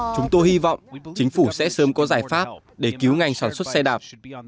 chúng tôi hy vọng chính phủ sẽ sớm có giải pháp để cứu ngành sản xuất xe đạp